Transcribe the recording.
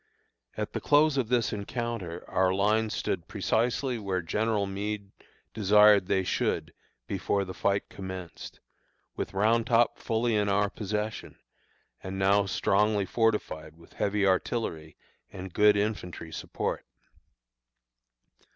At the close of this encounter our lines stood precisely where General Meade desired they should be before the fight commenced, with Round Top fully in our possession and now strongly fortified with heavy artillery and good infantry support.